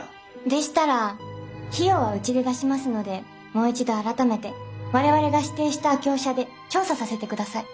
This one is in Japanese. でしたら費用はうちで出しますのでもう一度改めて我々が指定した業者で調査させてください。